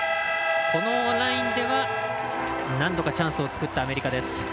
このラインでは何度かチャンスを作ったアメリカです。